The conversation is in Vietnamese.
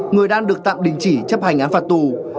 người đang được tạm đình chỉ chấp hành án phạt tù